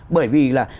bởi vì là